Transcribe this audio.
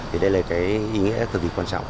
thì đây là cái ý nghĩa cực kỳ quan trọng